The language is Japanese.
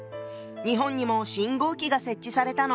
日本にも信号機が設置されたの。